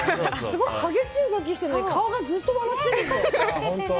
すごい激しい動きをしているのに顔がずっと笑っているの。